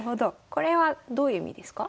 これはどういう意味ですか？